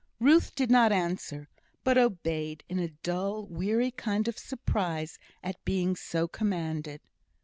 Ruth did not answer, but obeyed in a dull, weary kind of surprise at being so commanded.